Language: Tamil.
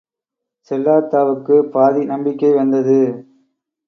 செல்லாத்தாவுக்குப் பாதி நம்பிக்கை வந்தது.